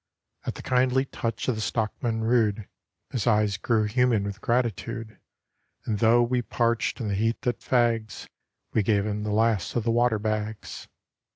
At the kindly touch of the stockmen rude His eyes grew human with gratitude; And though we parched in the heat that fags, We gave him the last of the water bags.